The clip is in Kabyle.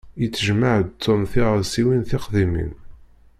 Yettejmaɛ-d Tom tiɣawsiwin tiqdimin.